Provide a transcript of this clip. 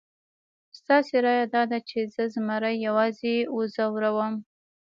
ستاسې رایه داده چې زه زمري یوازې وځوروم؟